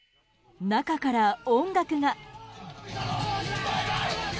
中から音楽が。